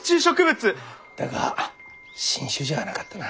だが新種じゃなかったな。